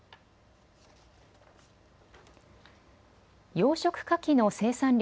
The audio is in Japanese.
養殖かきの生産量